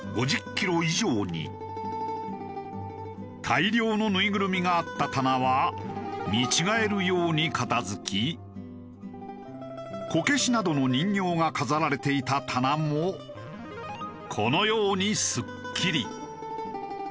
大量のぬいぐるみがあった棚は見違えるように片付きこけしなどの人形が飾られていた棚もこのようにすっきり。